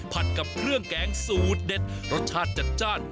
ผัดกับเครื่องแกงสูตรเด็ดรสชาติจัด